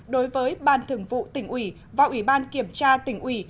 đối với ban thường vụ tình ủy và ủy ban kiểm tra tình ủy